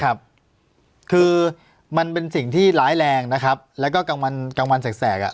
ครับคือมันเป็นสิ่งที่ร้ายแรงนะครับแล้วก็กลางวันกลางวันแสกอ่ะ